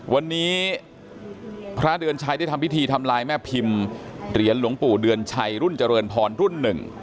วันนี้พระเดือนชัยได้ทำพิธีทำลายแม่พิมพ์เหรียญหลวงปู่เดือนชัยรุ่นเจริญพรรุ่นหนึ่ง